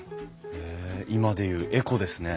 へえ今で言うエコですね。